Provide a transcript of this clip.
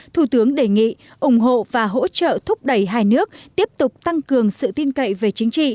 thủ tướng đề nghị ủng hộ và hỗ trợ thúc đẩy hai nước tiếp tục tăng cường sự tin cậy về chính trị